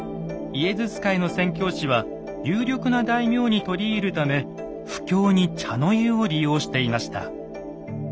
イエズス会の宣教師は有力な大名に取り入るため布教に茶の湯を利用していました。